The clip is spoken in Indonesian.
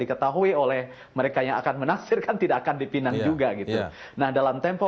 diketahui oleh mereka yang akan menaksirkan tidak akan dipinang juga gitu nah dalam tempo